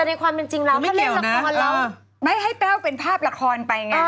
น่าถามเรียนคนละวัน